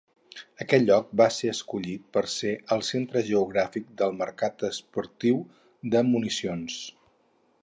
Aquest lloc va ser escollit per ser el centre geogràfic del mercat esportiu de municions.